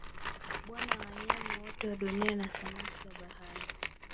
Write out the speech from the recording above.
Bwana wa Wanyama wote wa Dunia na samaki wa Bahari